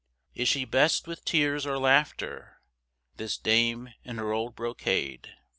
Is she best with tears or laughter, This dame in her old brocade?